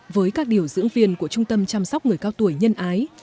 với các điều dưỡng viên của trung tâm chăm sóc người cao tuổi nhân ái